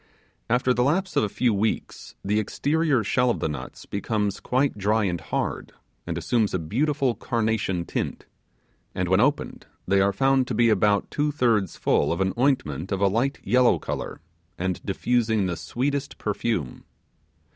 After the lapse of a few weeks the exterior shell of the nuts becomes quite dry and hard, and assumes a beautiful carnation tint; and when opened they are found to be about two thirds full of an ointment of a light yellow colour and diffusing the sweetest perfume.